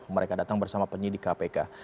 mereka datang bersama penyidik kpk